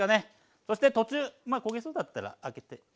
そして途中焦げそうだったら開けて。